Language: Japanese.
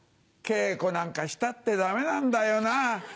稽古なんかしたってダメなんだよなぁ。